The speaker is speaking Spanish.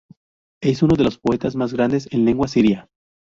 Es uno de los poetas más grandes en lengua siria.